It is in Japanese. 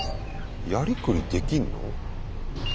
やりくりできんの？